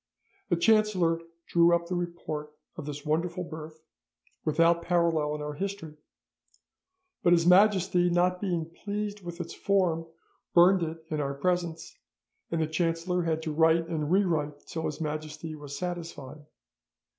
The chancellor drew up the report of this wonderful birth, without parallel in our history; but His Majesty not being pleased with its form, burned it in our presence, and the chancellor had to write and rewrite till His Majesty was satisfied.